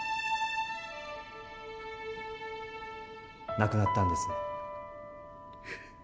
亡くなったんですね。